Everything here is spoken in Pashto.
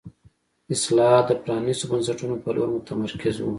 اصلاحات د پرانیستو بنسټونو په لور متمرکز وو.